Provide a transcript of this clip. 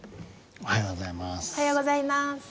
おはようございます。